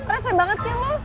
reset banget sih lu